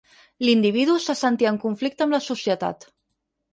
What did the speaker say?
L'individu se sentia en conflicte amb la societat.